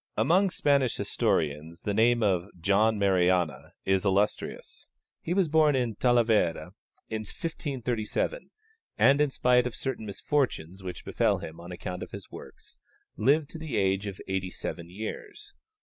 Among Spanish historians the name of John Mariana is illustrious. He was born at Talavera in 1537, and, in spite of certain misfortunes which befell him on account of his works, lived to the age of eighty seven years.